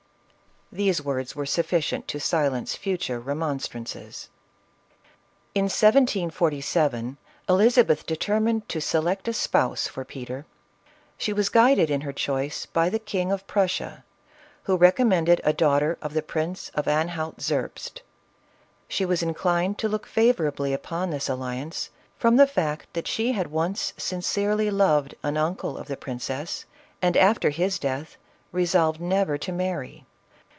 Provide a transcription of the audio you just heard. These words were sufficient to silence future remonstrances. In 1747, Elizabeth determined to select a spouse for Peter ; she was guided in her choice by the King of Prussia, who recommended a daughter of the Prince of Anhalt Zerbst. She was inclined to look favorably upon this alliance, from the fact that she had once sin cerely loved an uncle of the princess, and after his death resolved never to marry.